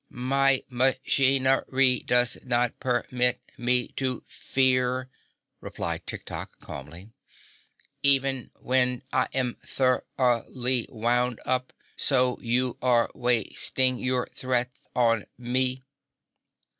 "My ma chin er y does not per mit me to fear," replied Tik Tok calmly, "e ven when I am thor ough ly wound up, so you are wast ing your threats on me."